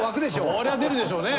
そりゃ出るでしょうね。